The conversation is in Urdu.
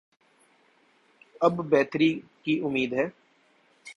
اب بہتری کی امید ہے۔